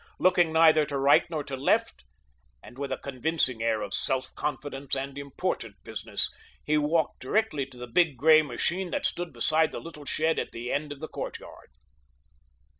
Looking neither to right nor to left, and with a convincing air of self confidence and important business, he walked directly to the big, gray machine that stood beside the little shed at the end of the courtyard.